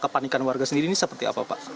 kepanikan warga sendiri ini seperti apa pak